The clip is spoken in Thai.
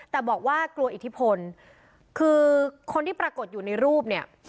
แต่บอกว่ากลัวอิทธิพลคือคนที่ปรากฏอยู่ในรูปเนี่ย